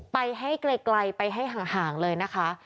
ไปให้ไกลไปให้ห่างเลยนะคะ